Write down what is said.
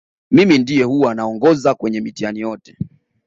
mimi ndiye huwa naongoza kwenye mitihani yote